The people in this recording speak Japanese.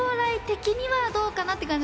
将来的にはどうかなって感じ。